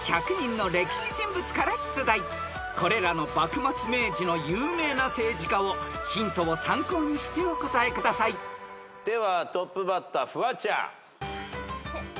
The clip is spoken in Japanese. ［これらの幕末明治の有名な政治家をヒントを参考にしてお答えください］ではトップバッターフワちゃん。